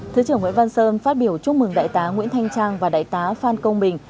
thứ trưởng nguyễn văn sơn phát biểu chúc mừng đại tá nguyễn thanh trang và đại tá phan công bình